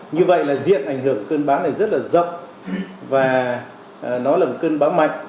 như vậy là diện ảnh hưởng cơn bão này rất là rộng và nó là một cơn bão mạnh